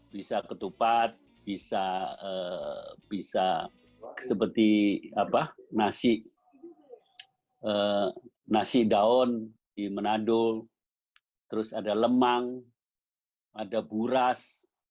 bisa ketupat bisa seperti nasi nasi daun di menadul terus ada lemang ada buras